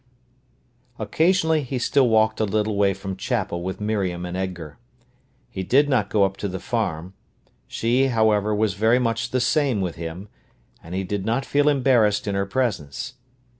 Occasionally he still walked a little way from chapel with Miriam and Edgar. He did not go up to the farm. She, however, was very much the same with him, and he did not feel embarrassed in her presence.